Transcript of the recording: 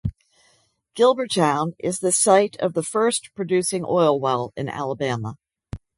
Gilbertown is the site of the first producing oil well in Alabama.